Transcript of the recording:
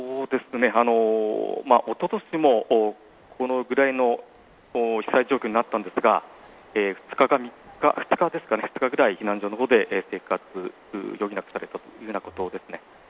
おととしもこのくらいの被災状況になったんですが２日ぐらい避難所の方で生活を余儀なくされたというようなことです。